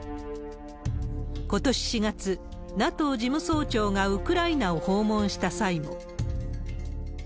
ことし４月、ＮＡＴＯ事務総長がウクライナを訪問した際も。